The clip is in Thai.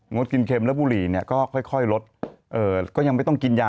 ดกินเค็มแล้วบุหรี่เนี่ยก็ค่อยลดก็ยังไม่ต้องกินยา